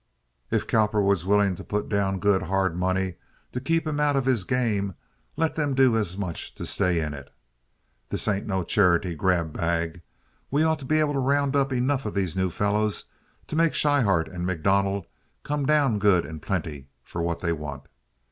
If Cowperwood's willing to put down good hard money to keep 'em out of his game, let them do as much to stay in it. This ain't no charity grab bag. We ought to be able to round up enough of these new fellows to make Schryhart and MacDonald come down good and plenty for what they want.